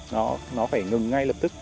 nó phải ngừng ngay lập tức